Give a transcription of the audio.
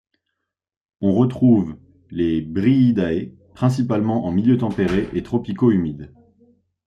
On retrouve les Bryidae principalement en milieux tempérés et tropicaux humides.